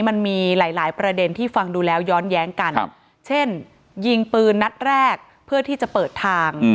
มันมีหลายหลายประเด็นที่ฟังดูแล้วย้อนแย้งกันเช่นยิงปืนนัดแรกเพื่อที่จะเปิดทาง